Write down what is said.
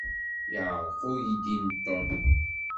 Yeɛreq uydi n Tom.